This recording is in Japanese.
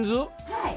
はい。